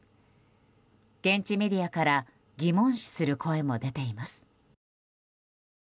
現地メディアから疑問視する声も出ています。